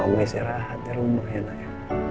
kamu bisa istirahat di rumah ya nanya